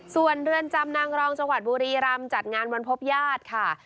ส่วนเรือนจำนางรองจังหวัดบุรีรำจัดงานวันพบญาติค่ะ